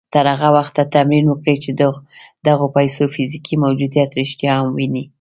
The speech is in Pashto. تر هغه وخته تمرين وکړئ چې د دغو پيسو فزيکي موجوديت رښتيا هم ووينئ.